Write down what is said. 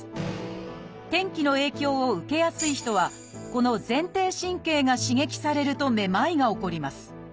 天気の影響を受けやすい人はこの前庭神経が刺激されるとめまいが起こります。